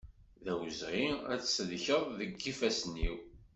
D awezɣi ad tselkeḍ seg ifassen-iw.